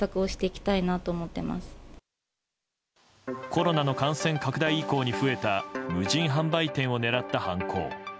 コロナの感染拡大以降に増えた無人販売店を狙った犯行。